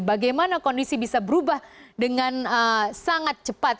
bagaimana kondisi bisa berubah dengan sangat cepat